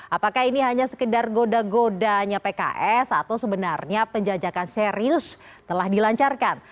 apakah ini hanya sekedar goda godanya pks atau sebenarnya penjajakan serius telah dilancarkan